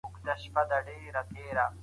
يو انسان په برخي کي خپل عزت جوړوي.